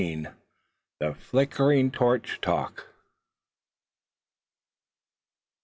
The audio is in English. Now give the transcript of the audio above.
THE FLICKERING TORCH TALK.